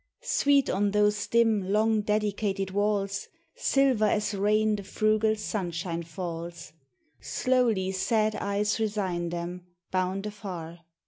Sweet on those dim long dedicated walls, Silver as rain the frugal sunshine falls; Slowly sad eyes resign them, bound afar.